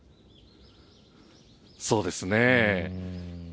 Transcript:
そうですね。